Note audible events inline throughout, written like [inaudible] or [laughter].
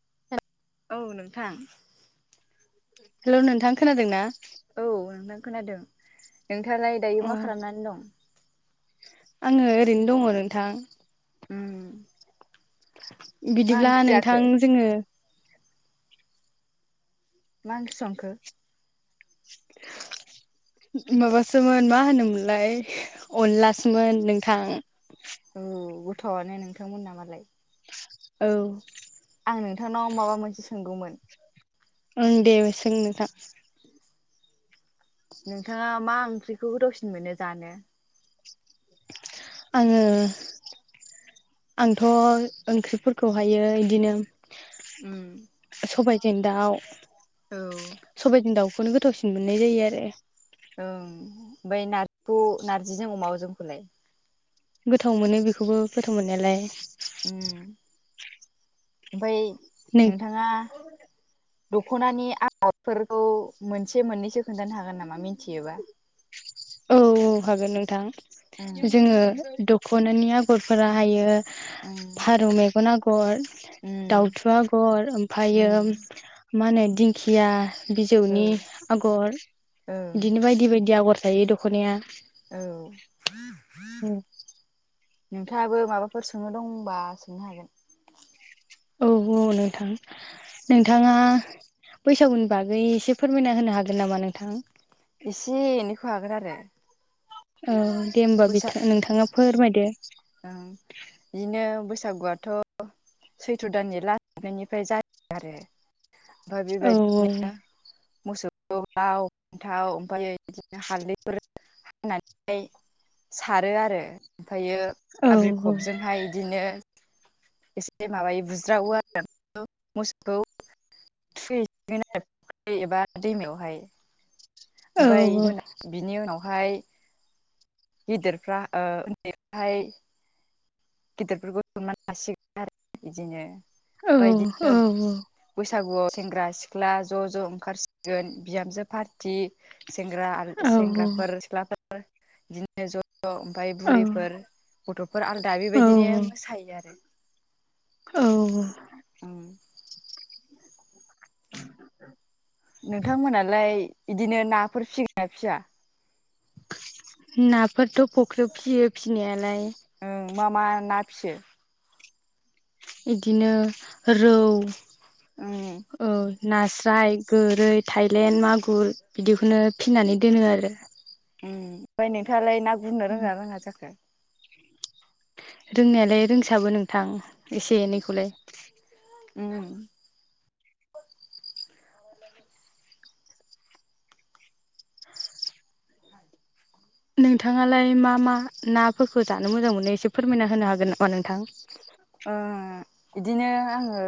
[unintelligible] औ नोंथां हेल' नोंथां खोनादों ना? औ नोंथां खोनादों नोंथाङालाय दायो अ मा खालामनानै दं? आङो ओरैनो दङ नोंथां उम मा बिदिब्ला ओंख्रि जाखो नोंथां जोङो मा ओंख्रि संखो [inaudible] माबासोमोन मा होनोमोनलाय अनलासोमोन नोंथां। औ गोथावआनो नोंथांमोन ना मालाय। औ आं नोंथांनाव माबा मोनसे सोंगौमोन। ओं दे सों नोंथां। नोंथाङा मा ओंख्रिखौ गोदावसिन मोनो जानो। आङो आंथ' ओंख्रिफोरखौहायो इदिनो उम सबायजों दाउ औ ओं सबायजों दाउखौनो गोथाव मोननाय जायो आरो। ओं ओमफाय नारजिखौ नारजिजों अमाजोंखौलाय। गोथाव मोनो बेखौबो गोथाव मोननायालाय। उम ओमफाय नों नोंथाङा दख'नानि आगरफोरखौ मोनसे मोननैसो खोन्थानो हागोन नामा मिनथियोबा। औ औ हागोन नोंथां। जोङो उम दख'नानि आगरफोरा हायो उम फारौ मेगन आगर उम दाउथु आगर ओमफायो उम मा होनो दिंखिया बिजौनि औ आगर ओं इदिनो बायदि बायदि आगर थायो दख'नाया। औ नोंथाङाबो माबाफोर सोंनो दं बा सोंनो हागोन। औ औ नोंथां। नोंथाङा बैसागुनि बागै एसे फोरमायना होनो हागोन नामा नोंथां? एसे एनैखौ हागोन आरो। औ दे होमबा बिथां नोंथाङा फोरमायदो। आं बिदिनो बैसागुआथ' सैथ्र' दाननि लाज हाबनायनिफ्राय जायो आरो। ओमफ्राय औ बेबायदिनो मोसौखौ लाव, फान्थाव ओमफाय इदिनो हालदैफोर हानानै सारो आरो ओमफायो औ बाब्रि खबजोंहाय इदिनो एसे माबायो बुज्रावो आरो। ओ मोसौखौ थुखैसिगोन आरो [unintelligible] एबा दैमायावहाय औ ओमफाय इमोना बिनि उनावहाय गिदिरफ्रा ओ उन्दैफोराहाय गिदिरफोरखौ सोनमान लासिगोन आरो ना इदिनो औ फाय औ इदिनो बैसागुआव सेंग्रा सिख्ला ज' ज' ओंखारसिगोन बिहामजो फार थि सेंग्रा आरो सेंग्राफोर सिख्लाफोर इदिनो ज' ज' ओमफाय औ बुरिफोर गथ'फोर आलदा बेबायदिनो मोसायो आरो। औ उम [inaudible] नोंथां मोनालाय बिदिनो नाफोर फिगोन ना फिया? नाफोरथ' फख्रियाव फियो फिनायालाय ओं मा मा ना फियो? इदिनो रौ उम औ नास्राय गोरै, थायलेन, मागुर इदिखौनो फिनानै दोनो आरो। ओमफाय नोंथाङालाय ना गुरनो रोङोना रोङा जाखो? रोंनायालाय रोंसाबो नोंथां एसे एनैखौलाय। उम [unintelligible] नोंथाङालाय मा मा नाफोरखौ जानो मोजां मोनो। एसे फोरमायना होनो हागोन नामा नोंथां? ओ आ इदिनो आङो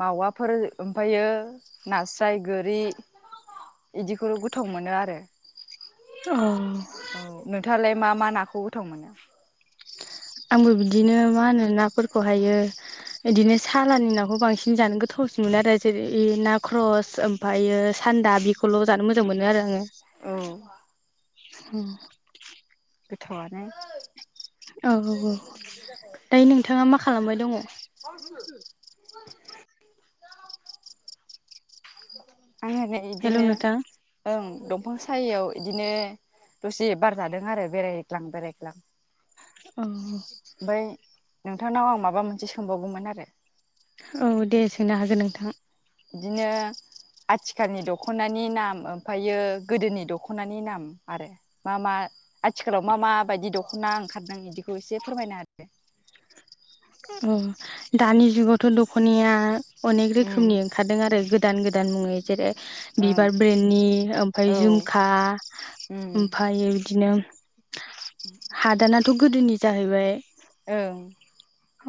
मावाफोर ओमफायो नास्राय, गोरि इदिखौ गोथाव मोनो आरो अ औ नोंथांङालाय मा मा नाखौ गोथाव मोनो आंबो बिदिनो मा होनो नाफोरखौ हायो। बिदिनो सालानि नाखौ बांसिन जानो गो थावसिन मोनो आरो जेरै ना ख्रस ओमफायो सान्दा बेखौल' जानो मोजां मोनो आरो आंङो औ [inaudible] गोथावआनो औ औ दायो नोंथांङा मा खालामबाय दंङ' आं आरै हेल' इदिनो नोंथां ओं दंफां साययाव इदिनो दसे बारजादों आरो बेरायग्लां बेरायग्लां [unintelligible] ओमफाय नोंथांनाव आं माबा मोनसे सोंबावगौमोन आरो औ दे सोंनो हागोन नोंथां इदिनो आथिखालनि दख'नानि नाम ओमफायो गोदोनि दख'नानि नाम आरो मा मा आथिखालाव मा मा बायदि दख'ना ओंखारदों इदिखौ एसे फोरमायनो आरो अ दानि जुगावथ' दख'नायया अनेक होदो रोखोमनि ओंखारदों आरो गो गोदान गोदान मुङै जेरै बिबार ओं ब्रेण्डनि ओमफ्राय ओं झुमखा औ ओं ओमफायो इदिनो हादानाथ' गोदोनि जाहैबाय ओं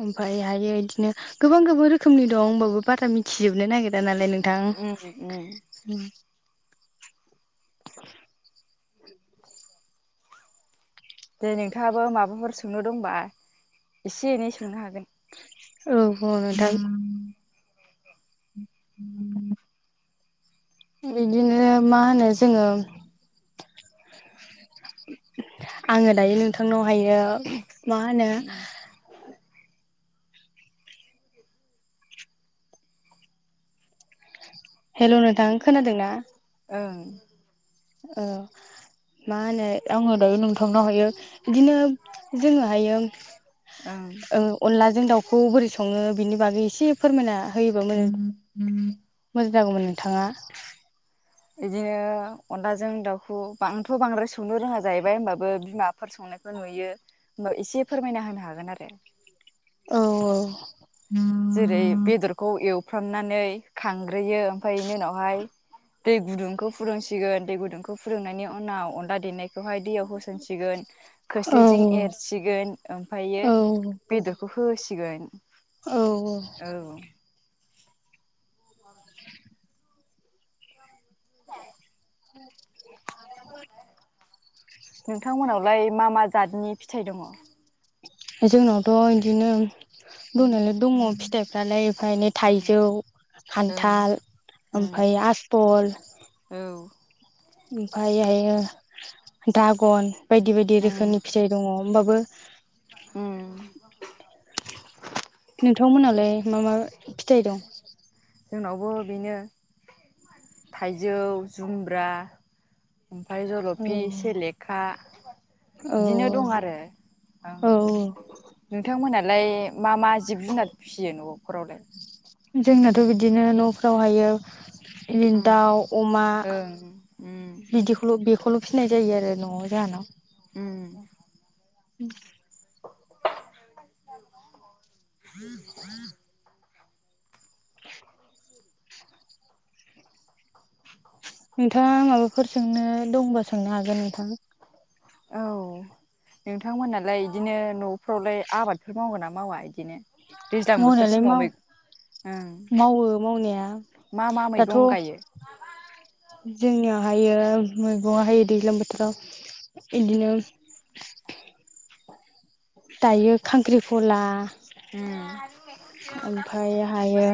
ओमफाय हायो इदिनो गोबां गोबां रोखोमनि दं होमबाबो बारा मिथिजोबनो नागिरा नालाय नों उम उम [unintelligible] [inaudible] दे नोंथाङाबो माबाफोर सोंनो दंबा एसे एनै सोंनो हागोन औ र' नोंथां [inaudible] इदिनो मा होनो जोंङो आंङो दायो नोंथांनावहायो मा होनो हेल' नोंथां खोनादों ना? ओं ओ मा होनो आंङो दायो नोंथांनाव हायो बिदिनो जोंङोहायो ओं अनलाजों दाउखौ बोरै संङो बिनि बागै एसे फोरमायना होयोबा मोजां मोजां जागौमोन नोंथांङा बिदिनो अनदजों दाउखौ आंथ' बांद्राय संनो रोङा जाहैबाय होमबाबो बिमाफोर संनायखौ नुयो होमबा एसे फोरमायना होनो हागोन आरो औ औ जेरै बेदरखौ एवफ्रामनानै खांग्रोयो ओमफाय बेनि उनावहाय दै गुदुंखौ फोरदोंसिगोन दै गुदुंखौ फोरुंनायनि उनाव अनला देनाय बेवहाय दैयाव होसनसिगोन औ खोस्लिजों एरसिगोन ओमफायो औ बेदरखौ होसिगोन औ औ औ [inaudible] [inaudible] [inaudible] नोंथांमोनावलाय मा मा जतनि फिथाइ दङ'। जोंनावथ' बिदिनो दंनायालाय दङ फिथायफ्रालाय एफा एनै थाइजौ ओं खान्थाल उम ओमफ्राय आसबल औ ओमफायहायो धागन बायदि बायदि रोखोमनि फिथाइ दङ। होमबाबो ओम नोंथांमोनालाय मा मा फिथाइ दं? जोंनावबो बेनो थाइजौ जुमब्रा ओमफ्राय औ जलफि सेलेखा औ बिदिनो दं आरो आं औ औ नोंथांमोनहालाय मा मा जिब जुनार फिसियो न'फोरावलाय? जोंनाथ' बिदिनो न'फ्रावहायो बिदिनो ओं दाउ अमा बिदिखौल' बे खौल' फिनाय जायो आरो न'आव जाहाना उम [inaudible] [unintelligible] [inaudible] नोंथाङा माबाफोर सोंनो दंबा सोंनो हागोन नोंथां औ नोंथांमोनालाय इदिनो न'फ्रावलाय आबादफोर मावगोन ना मावा इदिनो? दैज्लां बोथोर मावनायालाय समाव माव मैगं मावो मावनाया मा मा दाथ मैगं गायो जोंनियावहायो मैगंहाय दैज्लां बोथोराव इदिनो दायो खांख्रिखला उम फाय हायो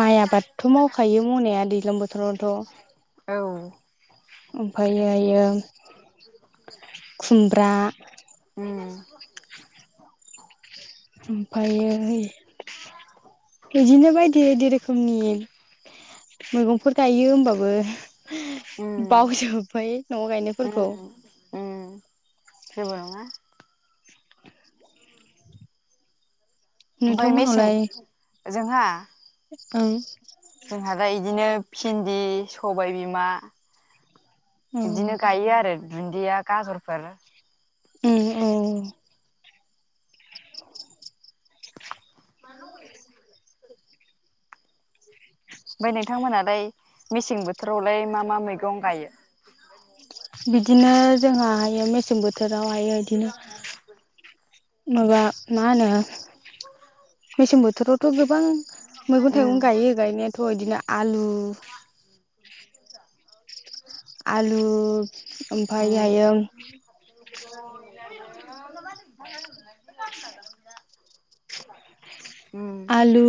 माइ आबादथ मावखायो मावनाया दैज्लां बोथोरावथ औ ओमफाहायो खुमब्रा उम ओमफ्रायो बिदिनो बायदि बायदि रोखोमनि मैगंफोर थायो होमबाबो बावजोबबाय न'आव गायनायफोरखौ ओम जेबो नङा ओमफ्राय मेसें नोंथांमोनावलाय जोंहा ओं जोंहा दा बिदिनो भिन्दि सबाय बिमा औ बिदिनो गायो आरो दुन्दिया गाजरफोर [unintelligible] [unintelligible] ओमफ्राय नोंथांमोनहालाय मेसें बोथोरावलाय मा मा मैगं गायो? बिदिनो जोंहहायो मेसें बोथोरावहायो बिदिनो माबा मा होनो मेसेंम बोथोरावथ गोबां मैगं थाइगं गायो गायनायाथ' बिदिनो आलु [inaudible] आलु ओमफ्रायहायो [unintelligible] आलु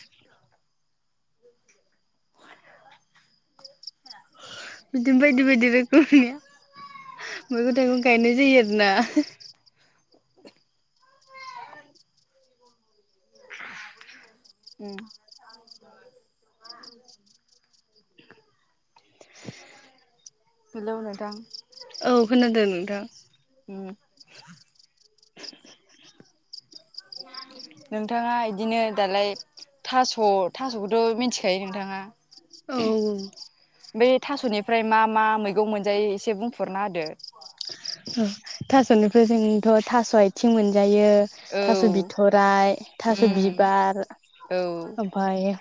[unintelligible] बिदिनो बायदि बायदि रोखोमनि मैगं थाइगं गायनाय जायो आरोना उम हेलौ नोंथां। औ खोनादों नोंथां। उम। [inaudible] [inaudible] नोंथाङा इदिनो दालाय थास' थास'खौथ' मिथिखायो नोंथाङा। औ औ। बै थास'निफ्राय मा मा मैगं मोनजायो एसे बुंफोरना होदो? उम थास'निफ्राय जोंथ' थास' आइथिं मोनजायो, थास' औ बिथ'राय, थास' उम बिबार, औ ओमफाय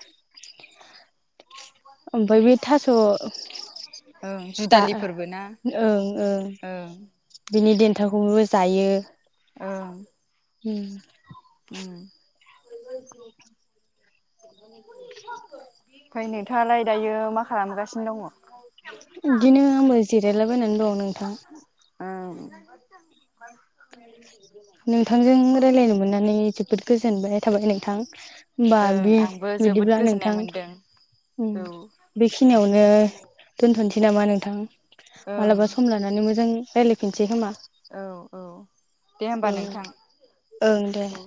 ओमफाय बै थास' ओं दा जुदालिफोरबो ना ओं ओं बिनि देन्थाखौबो जायो। ओं। उम। उम। [inaudible] ओमफाय नोंथाङालाय दायो मा खालामगासिनो दङ? इदिनो आंबो जिरायलाबायनानै दं नोंथां। उम। नोंथांजों रायलायनो मोननानै जोबोद गोजोनबाय थाबाय नोंथां। होमबा ओं बे आंबो जोबोद बिदिब्ला गोजोननाय नोंथां मोनदों उम औ बेखिनियावनो दोनथ'नोसै नामा नोंथां? ओं मालाबा सम लानानै मोजां रायलायफिनसै खोमा। औ औ दे होमबा औ नोंथां ओं दे औ।